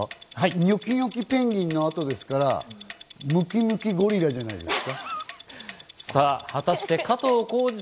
ニョキニョキペンギンの後ですから、ムキムキゴリラじゃないですか？